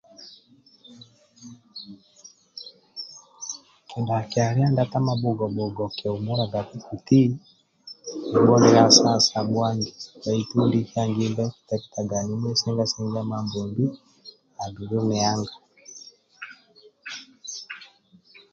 Kidhakiya lia ndia tamabugomugo inkihumulagabe kuti nibhundilya saha sa bhushangi baitu ndiye nki hangimbe nkiteketaga nimwesenga sengiya Mambombi andulu nihanga